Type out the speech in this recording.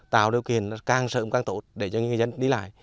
tạo điều kiện càng sớm càng tốt để cho người dân đi lại